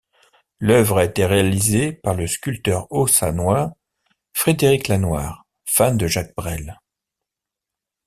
L'œuvre a été réalisée par le sculpteur haut-saônois Frédéric Lanoir, fan de Jacques Brel.